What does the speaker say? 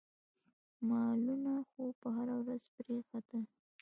مالونه خو به هره ورځ پرې ختل.